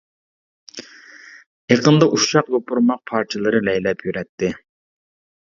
ئېقىندا ئۇششاق يوپۇرماق پارچىلىرى لەيلەپ يۈرەتتى.